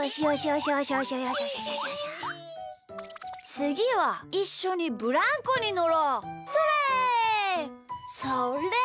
つぎは、いっしょにブランコにのろう！それ！